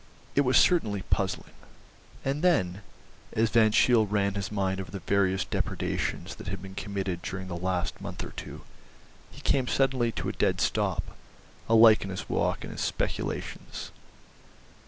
It was certainly puzzling. And then, as Van Cheele ran his mind over the various depredations that had been committed during the last month or two, he came suddenly to a dead stop, alike in his walk and his speculations.